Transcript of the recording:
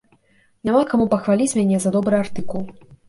Няма каму пахваліць мяне за добры артыкул.